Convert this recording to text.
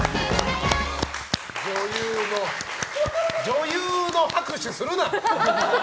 女優の拍手するな！